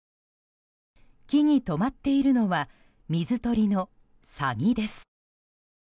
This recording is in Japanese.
木に止まっているのは水鳥のサギです。